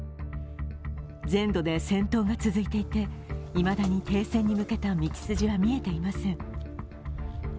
全土で戦闘が続いていていまだに停戦に向けた道筋は見えていません。